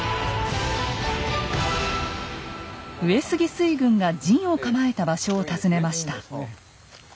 上杉水軍が陣を構えた場所を訪ねました。